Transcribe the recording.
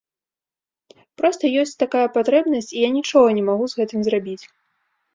Проста ёсць такая патрэбнасць, і я нічога не магу з гэтым зрабіць.